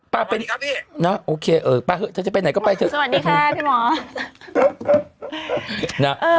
ป่าไปดีกว่าพี่นะโอเคเออป่าเธอจะไปไหนก็ไปเถอะสวัสดีค่ะพี่หมอ